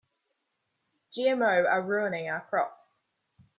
GMO are ruining our crops.